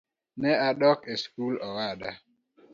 Ne adok e sikul owada